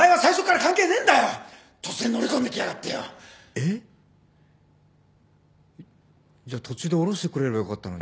えっ！？じゃ途中で降ろしてくれればよかったのに。